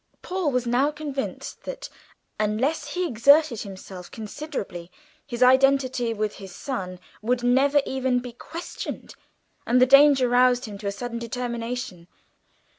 Paul was now convinced that unless he exerted himself considerably, his identity with his son would never even be questioned, and the danger roused him to a sudden determination.